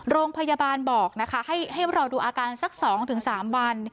โรงพยาบาลบอกนะคะให้รอดูอาการสัก๒๓วัน